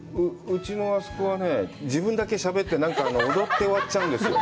うちのあそこはね、自分だけしゃべってなんか、踊って終わっちゃうんですよ。